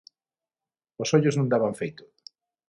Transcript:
Os ollos non daban feito.